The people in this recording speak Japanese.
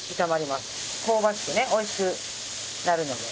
香ばしくねおいしくなるので。